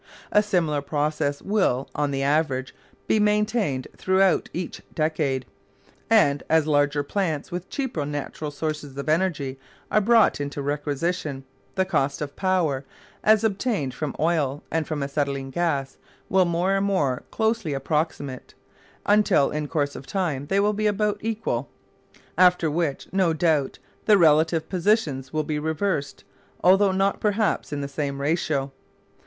A similar process will, on the average, be maintained throughout each decade; and, as larger plants, with cheaper natural sources of energy, are brought into requisition, the costs of power, as obtained from oil and from acetylene gas, will more and more closely approximate, until, in course of time, they will be about equal; after which, no doubt, the relative positions will be reversed, although not perhaps in the same ratio.